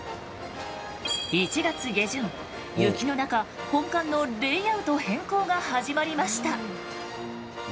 雪の中本館のレイアウト変更が始まりました。